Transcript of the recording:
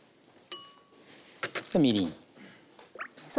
みりん。